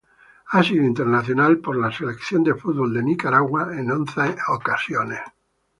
Ha sido internacional con la Selección de fútbol de Nicaragua en once ocasiones.